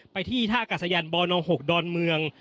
ที่ท่ากาศยานบน๖ดอนเมือง